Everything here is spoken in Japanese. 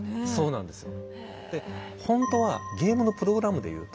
そうなんです。